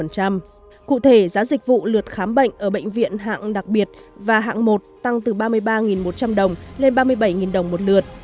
cụ thể giá dịch vụ lượt khám bệnh ở bệnh viện hạng đặc biệt và hạng một tăng từ ba mươi ba một trăm linh đồng lên ba mươi bảy đồng một lượt